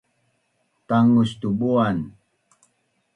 Tangus tu buan